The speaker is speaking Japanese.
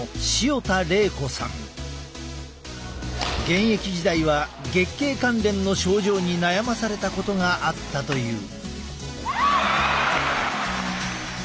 現役時代は月経関連の症状に悩まされたことがあったという。